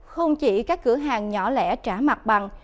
không chỉ các cửa hàng nhỏ lẻ trả mặt bằng